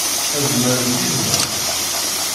Ad urarent yid-neɣ?